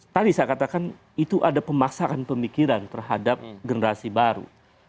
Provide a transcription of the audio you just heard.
tadi saya katakan itu ada pemaksakan pemikiran terhadap generasi baru